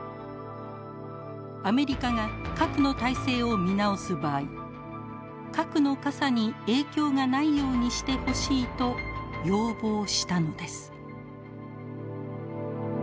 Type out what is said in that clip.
アメリカが核の態勢を見直す場合核の傘に影響がないようにしてほしいと要望したのです。